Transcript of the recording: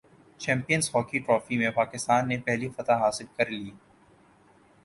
champions hockey trophy میں پاکستان نے پہلی فتح حاصل کرلی